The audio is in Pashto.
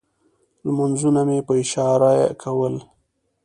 لمونځونه مې په اشارې کول.